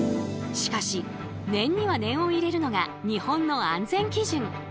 しかし念には念を入れるのが日本の安全基準。